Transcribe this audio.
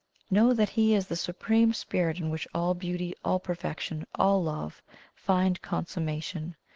Know that He is the Supreme Spirit in which all Beauty, all Perfection, all Love, find consummation.